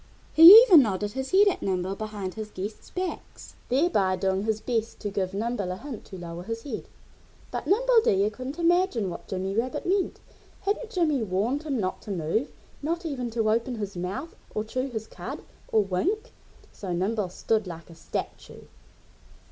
He even nodded his head at Nimble behind his guests' backs, thereby doing his best to give Nimble a hint to lower his head. But Nimble Deer couldn't imagine what Jimmy Rabbit meant. Hadn't Jimmy warned him not to move not even to open his mouth, or chew his cud, or wink? So Nimble stood like a statue.